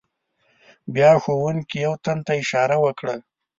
بیا ښوونکي یو تن ته اشاره وکړه.